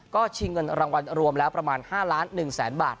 ก็ชิงเงินรางวัลรวมแล้วประมาณ๕ล้าน๑แสนบาท